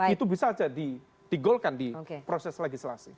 itu bisa saja digolkan di proses legislasi